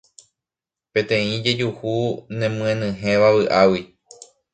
Peteĩ jejuhu nemyenyhẽva vy'águi